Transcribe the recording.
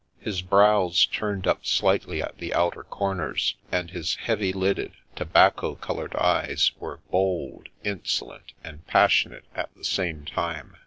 His brows turned up slightly at the outer corners, and his heavy lidded, tobacco coloured eyes were bold, insolent, and pas sionate at the same time.